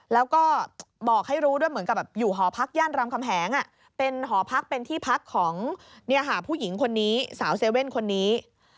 แล้วก็บอกให้รู้ด้วยเหมือนกับอยู่หอพักย่านรามคำแหงเป็นหอพักเป็นที่พักของผู้หญิงคนนี้สาวเซเว่นคนนี้